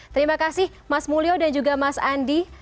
terima kasih mas mulyo dan juga mas andi